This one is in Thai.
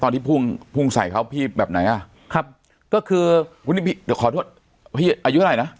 ตอนที่พุ่งใส่เขาพี่แบบไหนอ่ะครับก็คือพี่เดี๋ยวขอโทษพี่อายุอะไรนะ